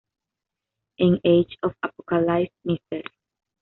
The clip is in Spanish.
En "Age of Apocalypse", Mr.